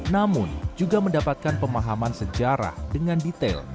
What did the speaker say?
namun juga mendapatkan pemahaman sejarah dengan detail